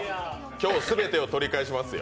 今日、全てを取り返しますよ